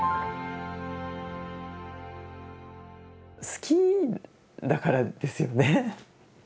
好きだからですよね。